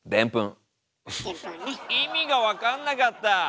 意味が分かんなかった！